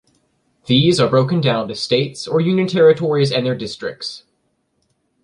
These are broken down to states or Union Territories and their districts.